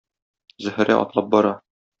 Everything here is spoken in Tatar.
Зөһрә атлап бара.